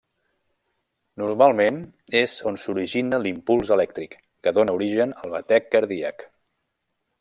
Normalment, és on s'origina l'impuls elèctric que dóna origen al batec cardíac.